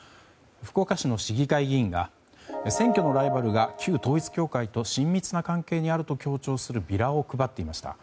福岡市の市議会議員が選挙のライバルが、旧統一教会と親密な関係にあると強調するビラを配っていました。